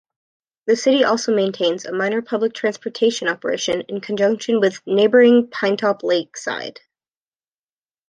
The city also maintains a minor public transportation operation in conjunction with neighboring Pinetop-Lakeside.